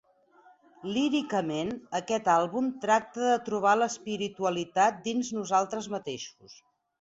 Líricament, aquest àlbum tracta de trobar l'espiritualitat dins nosaltres mateixos.